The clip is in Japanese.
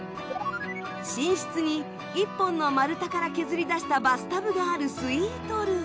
寝室に１本の丸太から削り出したバスタブがあるスイートルーム。